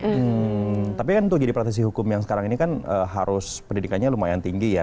hmm tapi kan untuk jadi praktisi hukum yang sekarang ini kan harus pendidikannya lumayan tinggi ya